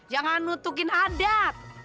jangan nutukin adat